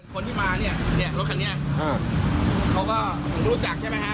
คนที่มาเนี่ยเนี่ยรถคันนี้เขาก็รู้จักใช่ไหมฮะ